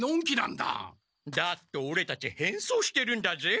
だってオレたちへんそうしてるんだぜ。